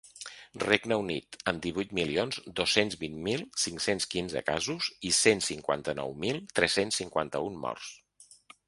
Regne Unit, amb divuit milions dos-cents vint mil cinc-cents quinze casos i cent cinquanta-nou mil tres-cents cinquanta-un morts.